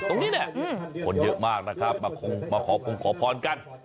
ตรงนี้เนี่ยคนเยอะมากนะครับมาคงมาขอพงขอพรกัน